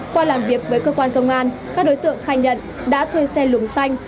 qua làm việc với cơ quan công an các đối tượng khai nhận đã thuê xe lùng xanh